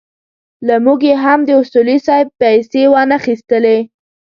له موږ یې هم د اصولي صیب پېسې وانخيستلې.